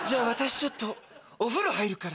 ちょっとお風呂入るから。